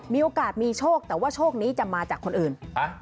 มีโอกาสมีโชคแต่ว่าโชคนี้จะมาจากคนอื่น